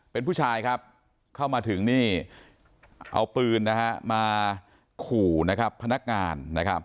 เป็นผู้ชายครับเข้ามาถึงนี่เอาปืนมาขู่นะครับพนักงาน